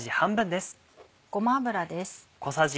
ごま油です。